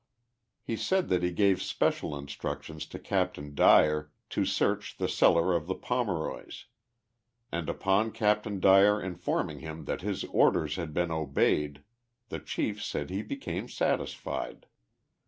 He said that he gave special instructions to Captain Dyer to search the cellar of the Pomeroy's ; and upon Captain Dyer informing him that his orders had been obeyed the Chief said he became satisfied.